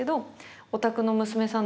「お宅の娘さん